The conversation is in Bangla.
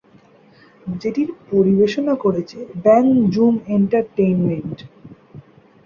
যেটির পরিবেশনা করেছে ব্যাং জুম এ্যান্টারটেইনমেন্ট।